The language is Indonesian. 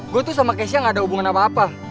gue sama kasia gak ada hubungan apa dua